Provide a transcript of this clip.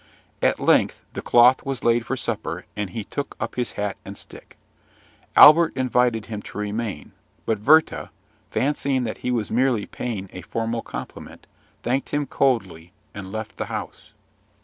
At length the cloth was laid for supper, and he took up his hat and stick. Albert invited him to remain; but Werther, fancying that he was merely paying a formal compliment, thanked him coldly, and left the house.